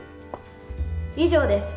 以上です。